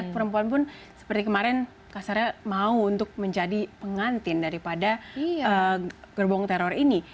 perempuan pun seperti kemarin kasarnya mau untuk menjadi pengantin daripada gerbong teror ini